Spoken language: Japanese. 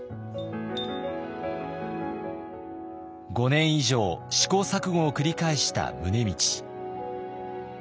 ５年以上試行錯誤を繰り返した宗理。